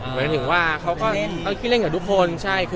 หมายถึงว่าเขาก็ขี้เล่นกับทุกคน